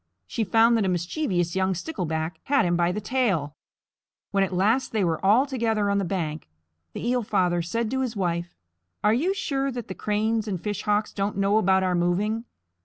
She found that a mischievous young Stickleback had him by the tail. When at last they were all together on the bank, the Eel Father said to his wife, "Are you sure that the Cranes and Fish Hawks don't know about our moving?